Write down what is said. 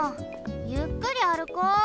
ゆっくりあるこう。